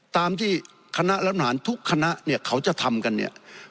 ตามที่คณะรัฐนานทุกคณะเนี่ยเขาจะทำกันเนี่ย